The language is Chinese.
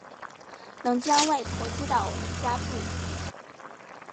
能将外婆接到我们家住